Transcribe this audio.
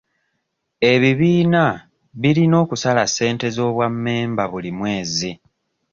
Ebibiina birina okusala ssente z'obwa mmemba buli mwezi.